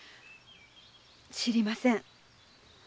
知りません。